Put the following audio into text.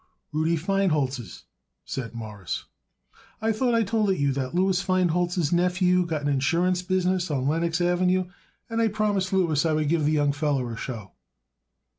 "Rudy Feinholz's," said Morris. "I thought I told it you that Louis Feinholz's nephew got an insurance business on Lenox Avenue, and I promised Louis I would give the young feller a show."